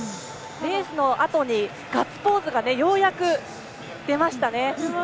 レースのあとガッツポーズがようやく出ましたね。